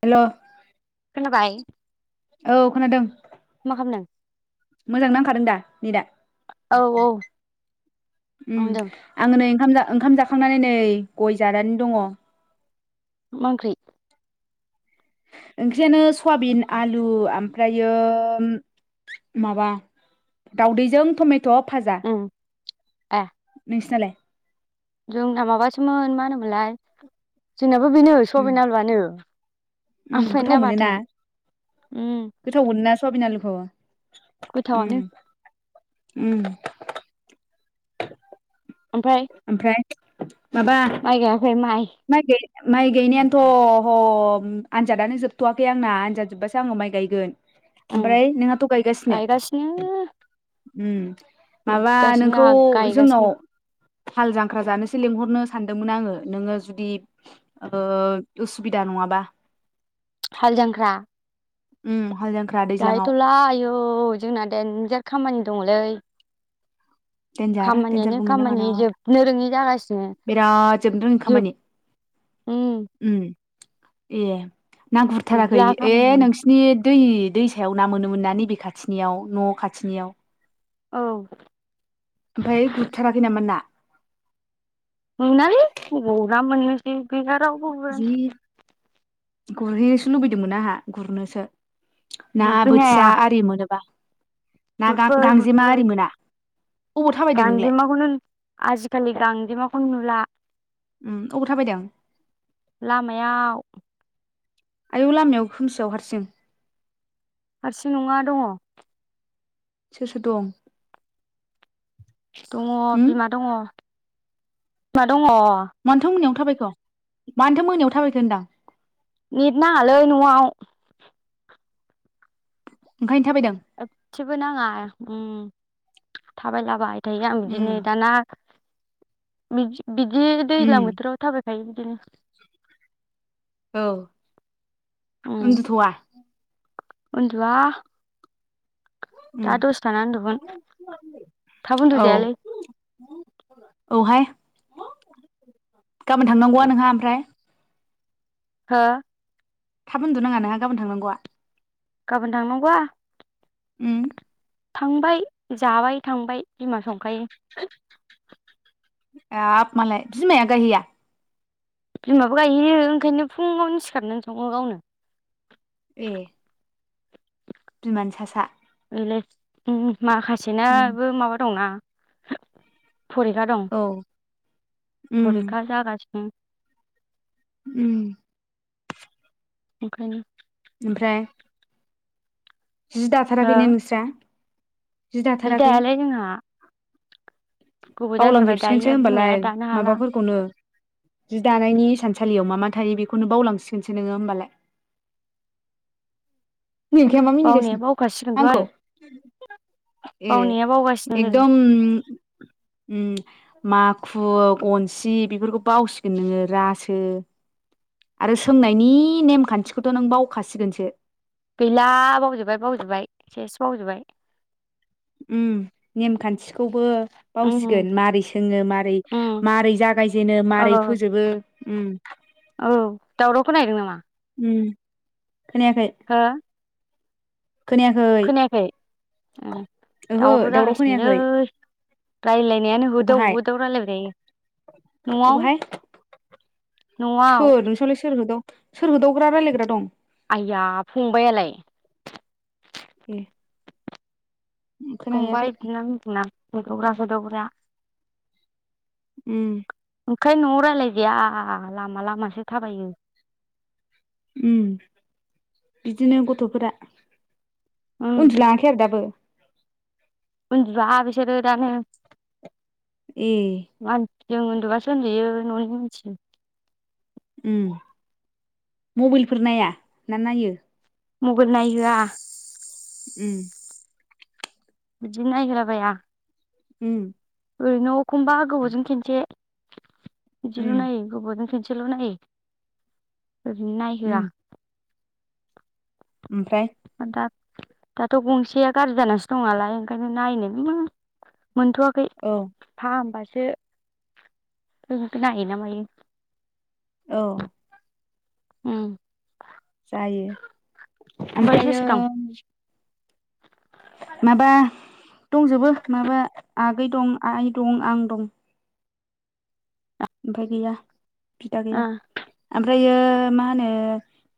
हेल' खोनाबाय औ खोनादों मा खालामदों मोजां नांखादों दा नेटा औ औ ओम मावदों आं नै ओंखाम ओंखाम जाखांनानै नै गय जानानै दङ मा ओंख्रि ओंख्रियानो सयाबिन आलु आमफ्रायो माबा दउदैजों टमेट' फाजा उम ए नोंसिनालाय जोंना माबासोमोन मा होनोमोनलाय जोंनाबो बेनो सवाबिन आलुआनो ओम ओमफ्राय गोथाव ना मोनोना बाथोन उम गोथाव मोनोना सवाबिन आलुखौ उम गोथावानो ओम ओमफ्राय माइ गायाखै माइ माइ गाय माइ गायनायानोथ' ह आनजादानो जोबथ'वाखै आंना आनजाद जोब्बासो आं माइ गायगोन उम ओमफ्राय नोंहाथ' गायगासिनो ओम माबा फुगासिनो नोंखौ आंहा जोंनाव गायगासिनो हाल जांख्रा जानोसै लेंंहरनोसो सानदोंमोन आङो नोङो जुदि ओ उसुबिदा नङाबा हाल जांख्रा ओम गायहैथ'ला आयौ जोंना देनजार खामानि दङलै देन्जार देन्जार खामानियानो बुंनो खामानि नाङाना जोबनो रोङि जागासिनो बिराद जोबनो रोङि जोब खामानि उम ओम ए ना गुरथाराखै जोबला ए खामानियानो नोंसिनि दै दैसायाव ना मोनोमोन ना नैबे खाथिनियाव न' खाथिनियाव औ ओमफ्राय गुरथाराखै नामोन ना मोनालै अबाव ना मोननोसै गैया रावबो गुरा जि गुरहैनोसो लुबैदोंमोन आंहा गुरनोसो ना गुरफैनो हाया बोथिया आरि मोनोबा ना गुरफै गांजेमा गुरफै आरि मोना अबाव थाबायदों नोंलाय गांजेमाखौनो आजिखालि गांजेमाखौनो नुला उम अबाव थाबायदों लामायाव आयौ लामायाव खोमसियाव हारसिं हारसिं नङा दङ सोर सोर दं दङ उम बिमा दङ मा दं मानथ' मोनायाव थाबायखो मानोथो मोनायाव थाबायखो होनदां नेट नाङालै न'आव ओंखाय एसेबो नाङा उम थाबायलाबाय थाय आं उम बिदिनो दाना बिद बिदि दैज्लां उम बोथोराव थाबाय गाय बिदिनो औ उन्दुथ'वा। उन्दुवा। उम थाब औ। उन्दुजायालै औ हाय। गाबोन थांनांगौआ नोंहा ओमफ्राय? हो। थाब उन्दुनांङा नोंहा गाबोन थांनांगौआ? गाबोन थांनांगौआ? उम। थांबाय जाबाय थांबाय बिमा संखायो। हाब मालाय बिमाया गायहैया? बिमाबो गायहैयो ओंखायनो फुंङावनो सिखारनानै संङो गावनो। ए। बिमानि सा सा। लै उम उम माखासेनाबो माबा दंना फरिखा दं औ उम फरिखा जागासिनो। उम। ओंखायनो। ओमफ्राय जि हो दाथाराखै ने नोंस्रा? जि दायालै जोंङा। बावलांजोबसिगोनसो दायैया बिमाया होमबालाय दानो हाला माबाफोरखौनो। जि दानायनि इसानलियाव मा मा थायो बेखौनो बावलांसिगोनसो नोंङो होमबालाय। [inaudible] मिंखाया मा बावनाया मिनिगासिनो बावखासिगोनथ' आंखौ? आरो ए बावनाया बावगासिनो एकदम उम माखु गनसि बेफोरखौ बावसिगोन नोंङो रासो आरो सोंनायनि नेमखान्थिखौथ' नों बावखासिगोनसो। गैला बावजोब्बाय बावजोब्बाय सेस बावजोब्बाय। उम नेमखान्थिखौबो उम बावसिगोन मारै सोंङो मारै उम मारै जागायजेनो औ मारै फोजोबो। उम। औ दावराव खोनाहैदों नामा? उम खोनायाखै। हो खोनायाखै ओं ओहो दावराव खोनायाखै जागासिनोलै। रायलायनायानो होदाव अबहाय होदाव रायलायबाय थायो न'आव। अबहाय न'आव सोर नोंसानावलाय सोर होदाव सोर होदावग्रा रायलायग्रा दं आइया फंबाइयालाय। ए। फंबाय खोनाहैयाखै बिदिनो दोंना होदावग्रा होदावग्रा। उम। ओंखायनो न'आव रायलाय जाया लामा लामासो थाबायो। उम बिदिनो गथ'फोरा। उम उन्दुलाङाखै आरो दाबो? उन्दुवा बिसोरो दानो। ए। जों उन्दुबासो उन्दैयो न'नि मिथियो। उम मबाइलफोर नाया ना नायो? मबाइल नायहोआ। उम। बिदिनो नायहोला बाया उम ओरैनो एखमबा गोबावजों खेनसे बिदिल' उम नायो गोबावजों खिनसेल' नायो ओरैनो उम नायहोआ ओमफ्राय दा दाथ' गंसेया गाज्रि जानसो दं नालाय ओंखायनो नायनोबो मोनथ'वाखै औ फाहामबाय सो नायोना मायो औ उम जायो ओमफ्राय सोर ओमफ्रायो सोर दं माबा दंजोबो माबा आगै दं आइ दं आं दं ओमफाय गैया बिदा गैया ओ ओमफ्रायो मा होनो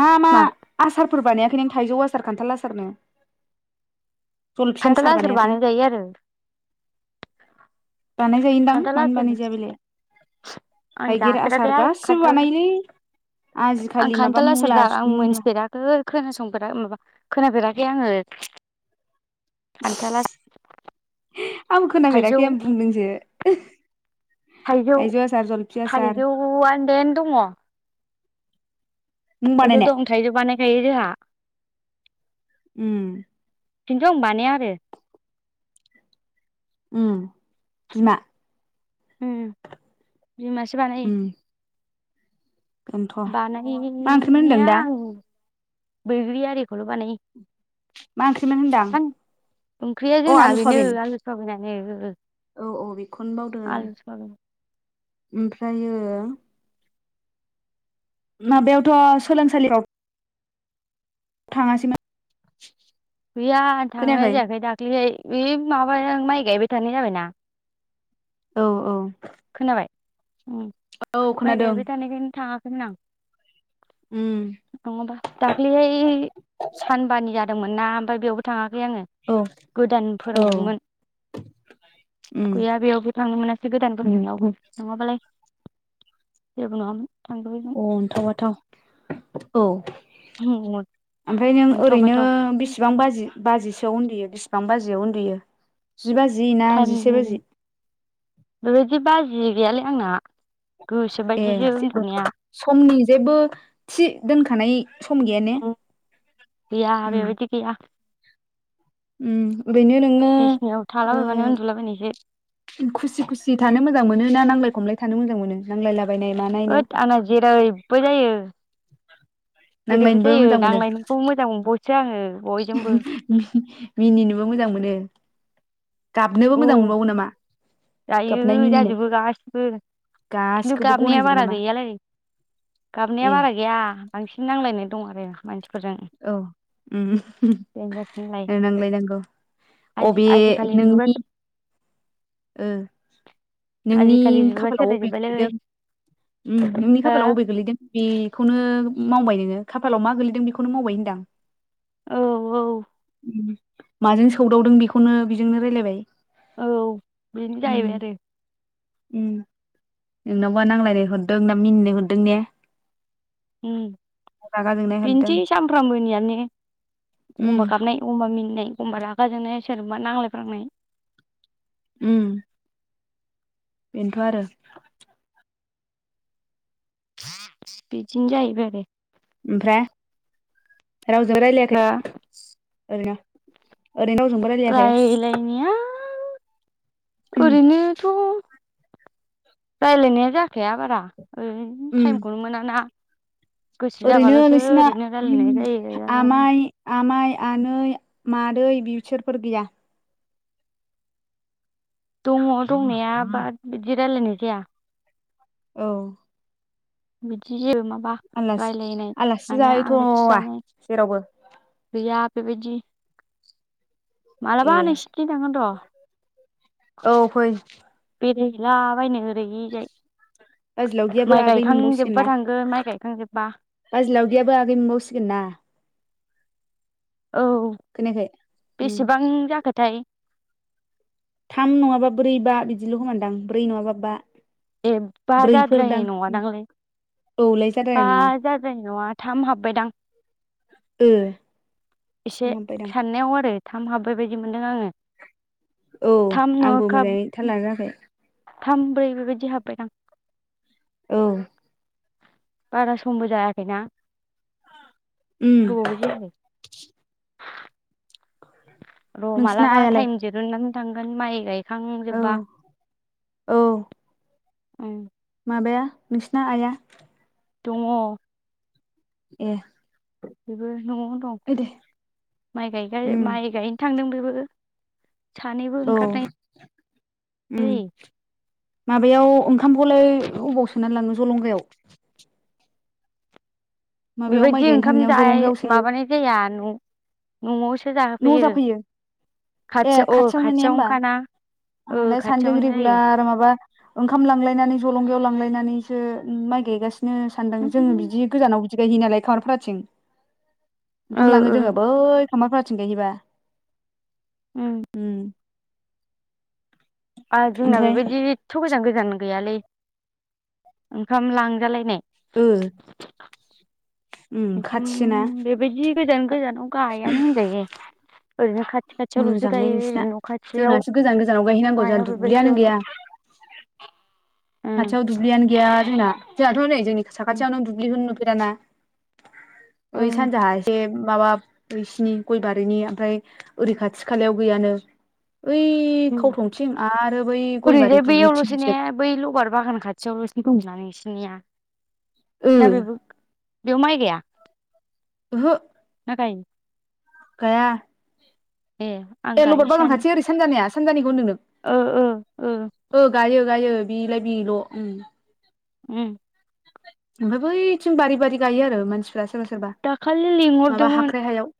मा मा आसारफोर बानायाखै नों थाइजौ आसार खोनथाल आसारनो जलफिया खान्थाल आसार बानायाखै बानाय जायो आरो बानाय जायोनदां खान्थाल मानो बानायजाया आसार बेलाय आं थाइगिर आसार जाफेराखैहाय गासिबो खान्थाल बानायोलै आं आजिखालि माबा खानथाला सार मुला दा आं मुला मोनथिफेराखै खोनासंफेरा माबा खोनाफेराखै दे आङो खान्थाल आसार आंबो खोनाबेराखै आं बुंदोंसो थाइजौ आसार जलफि आसार थाइजौआ देन दङ मुं थाइजौ बानायनाय दं थाइजौ बानायखायो जोंहा उम खिन्थु आं बानाया आरो उम बिमा उम बिमायासो बानायो उम बेनोथ' मा ओंख्रिमोन होनदों बानायनाया दा आं बैग्रि आरो बेखौल' बानाय मा ओंख्रिमोन होनदां ओंख्रिया अ जोंहा आलु बेनो सवाबिन आलु साबायानो औ औ बेखौनो बावदो ओमफ्रायो माबायावथ' सोलोंसालियाव थाङासैमोन गैया थांनाय खोनायाखै जायाखै दाख्लिहाय बे माबाया माइ गायबाय थानाय जाबायना औ औ खोनाबाय औ माइ खोनादों गायबाय थानायखाय थाङा नङाबा उम दाखालिहाय सानबानि जादों जादोंमोन ना ओमफ्राय बेयावबो थाङाखै आङो औ गोदान औ फोरोंदोंमोन उम गैया बेयावबो थांनोमोनासै गोदानफोरोंनायावबो नङाबालाय जेबो नङामोन थांजोबबायमोन अनथाव बाथाव औ ओमफ्राय नों अन्थाव ओरैनो बाथाव बेसेबां बाजि बाजिसिम उन्दुयो बेसेबां बाजियाव उन्दुयो जि बाजि ना टाइम जिसे बाजि [inaudible] गैयोलै आंना गोसो ए बायदिसो जेबो उन्दुनाया समनि जेबो थि दोनखानाय सम गैया ने गैया बेबायदि गैया ओम ओरैनो नोङो बिसिनायाव थालाबायबानो उन्दुलाबायनायसो खुसि खुसि थानो मोजां मोनो ना नांलाय खमलाय थानो मोजां मोनो नांलायला होद आंना जेरैबो जायो जेरैबो नांलायनोबो जायो मोजां मोनो नांलायनायखौ मोजां मोनबावसो आङो बयजोंबो मिनिनोबो मोजां मोनो। गाबनोबो औ मोजां मोनबावो नामा? गाबनाय जायो मिनिनाय जाजोबो गासिबो खिन्थु गासिखौबो गाबनाया गनायजोबो बारा नामा गैयालै। गाबनाया ए बारा गैया बांसिन नांलायनाय दं आरो मानसि औ उम्म लेंगासिनोलाय नांलाय नांगौ। आजि अबे आजिखालि जुगा नोंनि ओ नोंनि आजिखालि जुगा खाफालाव अबे सोलायजोब्बायलै गोलैदों? उम्म नोंनि हो खाफालाव अबे गोलैगोन बेखौनो माव मावबाय नोङो खाफालाव मा गोलैदों बेखौनो मावबाय होनदो आं। औ औ। माजों सौदावदों बेखौनो बिजोंनो रायलायबाय। औ बिदिनो उम जाहैबाय आरो। नोंनावबा नांलायनाय हरदों ना मिनिनो हरदों ने? उम्म रागा जोंनाय हरदों बेनोसै सामफ्रामबोनियानो। उम एखमबा गाबनाय एखमबा मिनिनाय एखमबा रागाजोंनाय सोरजोंबा नांलायफ्लांनाय। उम्म। बेनोथ' आरो। बेदिनो जाहैबाय आरो। ओमफ्राय रावजों हो रायलायाखै ओरैनो ओरैनो रावजोंबो रायलायाखै रायलायनाया उम ओरैनोथ' रायलायनाया जाखाया बारा। ओइ उम टाइमखौनो मोना ना। ओरैनो नोंसिना रायलायनाय जायो आरो आमाइ आमाइ आनै मादै बिसोरफोर गैया? दङ दंनाया बाद बिदि रायलायनाय जाया। औ। बिदि जेबो माबा आलासि रायलायनाय आलासि माने आलासि जाहैथ'वा जानाय जेरावबो गैया बेबायदि। ए मालाबा नोंसिथि थांगोन र' औ फै बेराय हैलाबायनो ओरैजाय। बाजै लावगियाबो माइ आगै मोनबावसिगोन गायखांजोबबा ना। थांगोन माइ गायखांजोबबा बाजै लावगियाबो आगै मोनबावसिगोन ना। औ खोनायाखै उम बेसेबां जाखोथाय? थाम नङाबा ब्रै बा बिदिल' खोमादां ब्रै नङाबा बा। एबा ब्रैफोरदां जाद्रायनाय नङादां लै। औ लाय बा जाद्रायनाय नङा जानाय नङा थाम हाबबायदां। ओ। एसे थाम हाबबायदां साननायाव आरो थाम हाबबाय बायदि मोनदों आंङो। औ आंबो मोजाङैथाललानो रोङाखै। थाम ब्रै बेबायदि हाब्बायदां। औ। बारा समबो जायाखैना। गोबावबो जायाखै उम्म। र' माला नोंसिना बा आइयालाय थाइम दिहुननानै थांगोन माइ गाय औ खांजोबा औ उम्म। माबाया नोंसिना आइया दङ। ए। बेबो न'आवनो दं ओइ दे माइ गाय गाय उम माइ गायनो थांदोंमो बेबो सानैबो औ ओंखारनाय उम जायो माबायाव ओंखामखौलाय अबाव सोनानै लाङो जलंगायाव माबायाव माइ बेबायदि गायनो ओंखाम थांनायाव जाय जलंगायाव सोयो माबानाय जाया न'आव सो न' जाहोफैयो जाफैयो ए खाथियाव ओ खाथियावनो ने होमबा खाथियावनोखाना ओ आंहालाय सानदों खाथियावनो जायो रेगुलार माबा ओंखाम लांलायनानै जलंगायाव लांलायनानैसो माइ गायगासिनो बिनो सानदों जोङो बिदि गोजानाव बिदि गायहैयो नालाय खामारफारथिं ओ ओंखाम लाङो ओ जोङो बै खामारफाराथिं गायहैबा उम जोंना ओमफ्राय बेबायदि एथ' गोजान गोजान गैयालै ओंखाम लांजालायनाय ओ उम ओंखाम खाथिसोना बेबायदि गोजान गोजानाव गायानो होनजायो ओरैनो खाथि खाथि खाथियावल'सो मोजांलै गायो नोंसिना न' खाथियाव जोंनासो गोजान गोजानाव गायहैनांगौ जोंहा मायाव दुब्लियानो गैया बेबायदियावल' ओं खाथियाव दुब्लियानो गैया जोंना जोंहाथ' नै जोंनि साखाथियावनो दुब्लिखौ नुफेराना बै ओं सानजा एसे माबा बिसिनि गय बारिनि ओमफ्राय ओरै खाथि खालायाव गैयानो ओइ ओं खावथंथिं आरो बै ओरैजाय गयबारि बैयावल'सो ने दुग्लिथिंसो बै लबार बागान खाथियावल' जि दं ना नोंसिनिया ओ ना बेबो बेयाव माइ गाया ओहो ना गायो गाया ए आं ए गायो लबार बागान सानो खाथि ओरै सानजानाया सानजानिखौ होनदों नोङो ओ ओ जायो बिलाय बेल' उम ओमफ्राय बैथिं बारि बारि गायो आरो मानसिफ्रा सोरबा सोरबा दाखालि माबा लिंहरदोंमोन हाख्राइ हायाव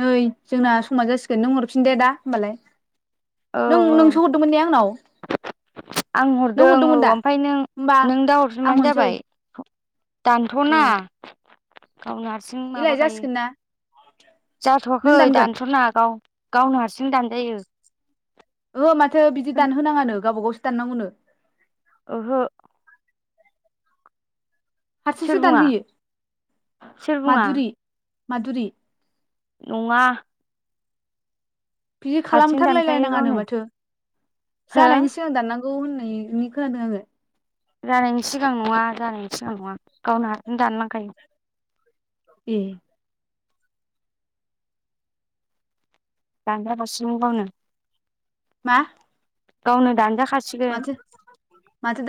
नै जोंना समा जासिगोन नों हरफिन दे दा होमबालाय औ नों औ नोंसो हरदोंमोन नेे आंनाव आं नों हरदों औ हरदोंमोन दा ओमफ्राय नों होमबा नों दा हर आं हरसै दानथ'ना गाव हारसिं एलाय माबाखायो जासिगोन ना जाथ'वाखै नों दानगोन दानथ'नो नाङा गाव गावनो हारसिं दानजायो ओ माथो बिदि दानहोनाङानो गावबा गावसो दाननांगौनो ओहो सोर हारसिंसो बुङा दानहोयो सोर बुङा मादुरि मादुरि नङा बिदि हारसिं दानखायो खालामथारलायलायनाङानो गावनो माथो हो जानायनि सिगां दाननांगौ औ न म खानोागो [inaudible] जानायनि सिगां नङा जानायनि सिगां नङा गावनो हारसिंनो दानलांखायो ए दानग्रा बसिं [inaudible] गावनो मा गावनो दानाजा [inaudible] मे म द